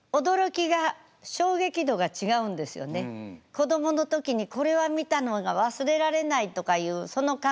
子どもの時にこれは見たのが忘れられないとかいうその感覚が。